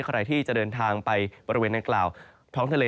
ใครที่จะเดินทางไปบริเวณนางกล่าวท้องทะเล